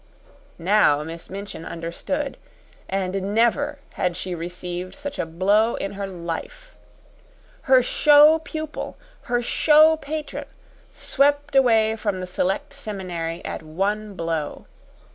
Now Miss Minchin understood, and never had she received such a blow in her life. Her show pupil, her show patron, swept away from the Select Seminary at one blow.